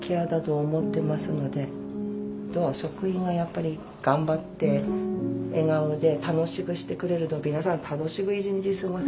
あとは職員がやっぱり頑張って笑顔で楽しくしてくれると皆さん楽しく一日過ごせるんですよね。